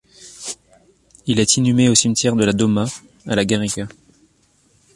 Il est inhumé au cimetière de la Doma, à La Garriga.